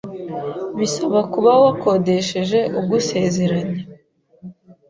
bisaba kuba wakodesheje ugusezeranya